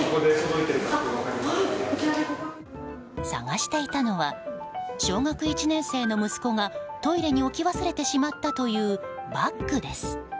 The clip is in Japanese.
探していたのは小学１年生の息子がトイレに置き忘れてしまったというバッグです。